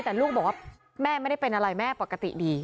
แต่ลูกบอกว่าแม่ไม่ได้เป็นอะไรแม่ปกติดี